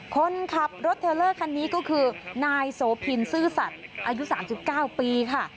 คนขับรถเทลเลอร์คันนี้ก็คือนายโสพินซื่อสัตว์อายุ๓๙ปีค่ะ